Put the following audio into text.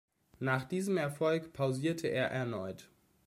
Nach diesem Erfolg pausierte er erneut.